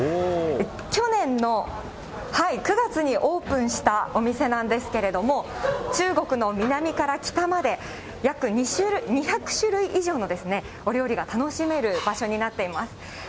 去年の９月にオープンしたお店なんですけれども、中国の南から北まで、約２００種類以上のお料理が楽しめる場所になっています。